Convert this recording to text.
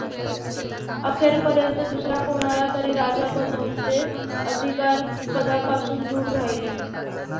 अखेरपर्यंत दुसऱ्या कोणाला तरी राजा बनवून ते अधिकारपदापासून दूर राहिले.